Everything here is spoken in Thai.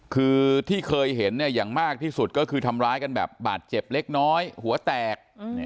คือที่เคยเห็นอย่างมากที่สุดก็คือทำร้ายกันแบบบาดเจ็บเล็กน้อยหัวแตก